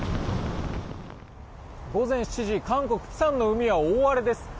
午前７時韓国・釜山の海は大荒れです。